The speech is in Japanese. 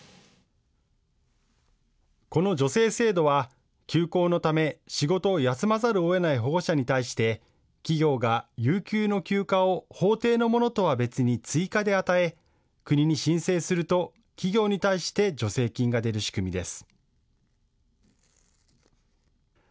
この助成制度は休校のため仕事を休まざるをえない保護者に対して企業が有給の休暇を法定で与え国に申請すると企業に対して助成金が出る仕組みです。